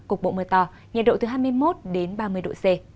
cục bộ mưa to nhiệt độ từ hai mươi một đến ba mươi độ c